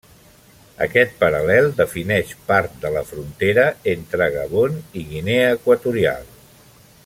Aquest paral·lel defineix part de la frontera entre Gabon i Guinea Equatorial.